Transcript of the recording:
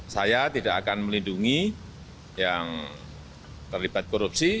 saya tidak akan melindungi yang terlibat korupsi